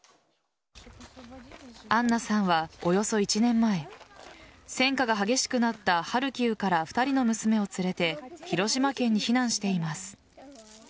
アンナさんは、およそ１年前戦火が激しくなったハルキウから２人の娘を連れて広島県に避難しています。